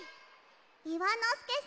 いわのすけさん